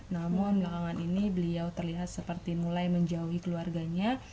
namun beliau terlihat seperti mulai menjauhi keluarganya